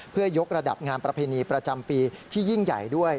เพื่อยกระดับงานประเพณีประจำปีที่ยิ่งใหญ่ด้วย